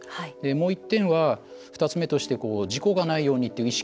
もう１点は、２つ目として事故がないようにという意識。